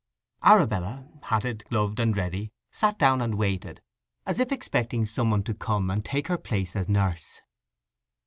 Arabella, hatted, gloved, and ready, sat down and waited, as if expecting some one to come and take her place as nurse.